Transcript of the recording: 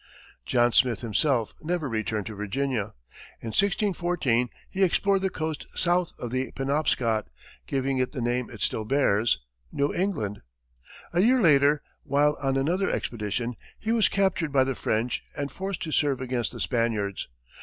John Smith himself never returned to Virginia. In 1614, he explored the coast south of the Penobscot, giving it the name it still bears, New England. A year later, while on another expedition, he was captured by the French and forced to serve against the Spaniards.